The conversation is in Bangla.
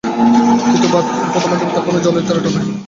কিন্তু বাঁধ যখন প্রথম ভাঙে তখনই জলের তোড়টা হয় বেশি।